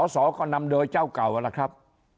สอก็นำโดยเจ้าเก่าล่ะครับ